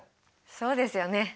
そうですよね。